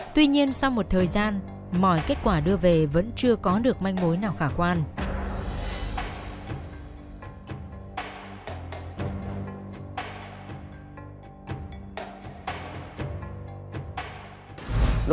tuy nhiên sau một thời gian mọi kết quả đưa về vẫn chưa có được manh mối nào khả quan